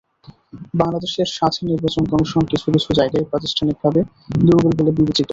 বাংলাদেশের স্বাধীন নির্বাচন কমিশন কিছু কিছু জায়গায় প্রাতিষ্ঠানিকভাবে দুর্বল বলে বিবেচিত।